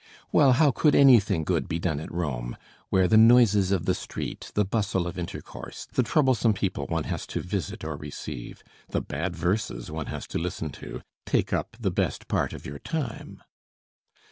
Well, how could anything good be done at Rome, where the noises of the street, the bustle of intercourse, the troublesome people one has to visit or receive, the bad verses one has to listen to, take up the best part of your time?